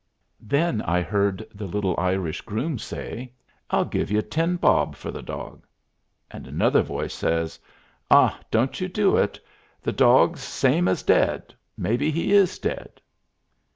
Then I heard the little Irish groom say, "I'll give you ten bob for the dog." And another voice says, "Ah, don't you do it; the dog's same as dead mebbe he is dead."